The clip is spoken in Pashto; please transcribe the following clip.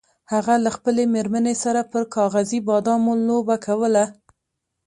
هغه له خپلې میرمنې سره پر کاغذي بادامو لوبه کوله.